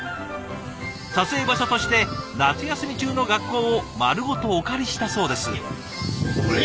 撮影場所として夏休み中の学校を丸ごとお借りしたそうです。